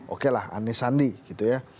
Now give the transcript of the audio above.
oke lah anisandi gitu ya